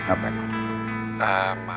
apa ya pak